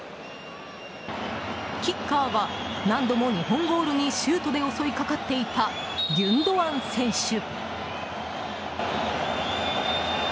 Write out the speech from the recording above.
キッカーは何度も日本ゴールにシュートで襲いかかっていたギュンドアン選手。